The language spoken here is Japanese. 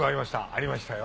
ありましたよ